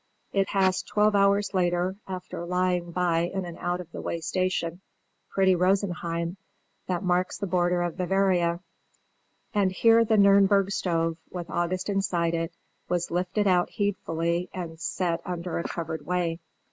It passed twelve hours later, after lying by in out of the way stations, pretty Rosenheim, that marks the border of Bavaria. And here the Nürnberg stove, with August inside it, was lifted out heedfully and set under a covered way.